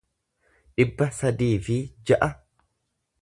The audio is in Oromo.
dhibba sadii fi ja'a